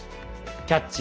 「キャッチ！